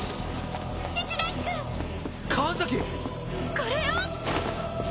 これを！